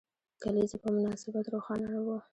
کلیزې په مناسبت روښانه وو.